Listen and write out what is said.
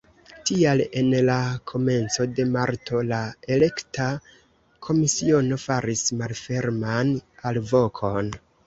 Tial en la komenco de marto la elekta komisiono faris malferman alvokon.